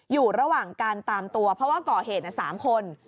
อยู่ระหว่างการตามตัวเพราะว่าก่อเหตุ๓คน